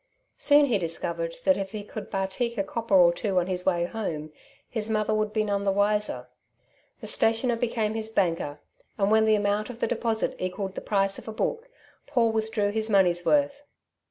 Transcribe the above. Soon he discovered that if he could batik a copper or two on his way home his mother would be none the wiser. The stationer became his banker, and when the amount of the deposit equaled the price of a book, Paul withdrew his money's worth.